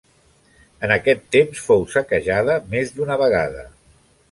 En aquest temps fou saquejada més d'una vegada.